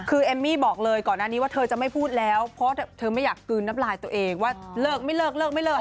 คือเอมมี่บอกเลยก่อนหน้านี้ว่าเธอจะไม่พูดแล้วเพราะเธอไม่อยากกลืนน้ำลายตัวเองว่าเลิกไม่เลิกเลิกไม่เลิก